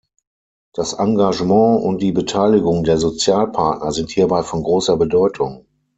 Das Engagement und die Beteiligung der Sozialpartner sind hierbei von großer Bedeutung.